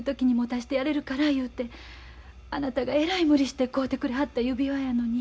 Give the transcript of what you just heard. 言うてあなたがえらい無理して買うてくれはった指輪やのに。